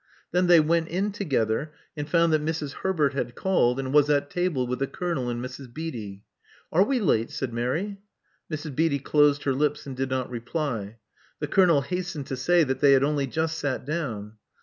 '' Then they went in together, and found that Mrs. Herbert had called, and was at table with the Colonel and Mrs. Beatty. Are we late?" said Mary. Mrs. Beatty closed her lips and did not reply. The Colonel hastened to say that they had only just sat down.